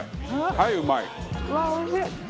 はいうまい。